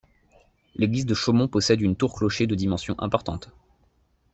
L’église de Chaumont possède une tour-clocher de dimension importante.